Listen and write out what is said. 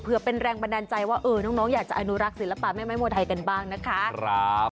เพื่อเป็นแรงบันดาลใจว่าน้องอยากจะอนุรักษ์ศิลปะแม่ไม้มวยไทยกันบ้างนะคะ